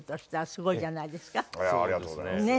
そうなんですね。